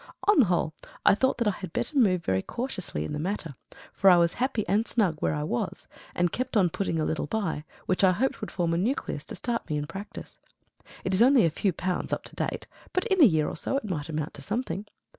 On the whole, I thought that I had better move very cautiously in the matter; for I was happy and snug where I was, and kept on putting a little by, which I hoped would form a nucleus to start me in practice. It is only a few pounds up to date, but in a year or so it might mount to something.